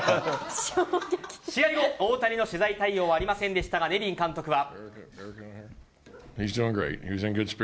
試合後、大谷の取材対応はありませんでしたがネビン監督は。